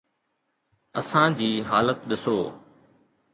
اسان جي حالت ڏسو.